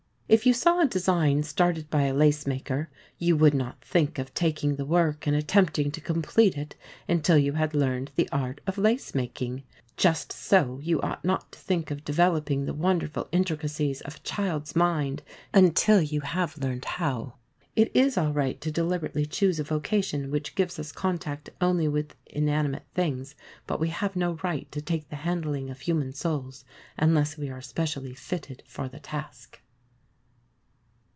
If you saw a design started by a lace maker, you would not think of taking the work and attempting to complete it until you had learned the art of lace making. Just so you ought not to think of developing the wonderful intricacies of a child's mind until you have learned how. It is all right to deliberately choose a vocation which gives us contact only with inanimate things, but we have no right to take the handling of human souls unless we are specially fitted for the task.